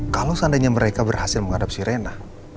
kalau seandainya mereka berhasil menghadapi reina